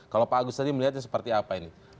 kalau pak agus tadi melihatnya seperti apa ini